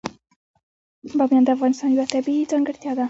بامیان د افغانستان یوه طبیعي ځانګړتیا ده.